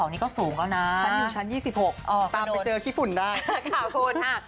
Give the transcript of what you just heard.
นี่ก็สูงแล้วนะชั้นอยู่ชั้น๒๖ตามไปเจอขี้ฝุ่นได้ค่ะคุณ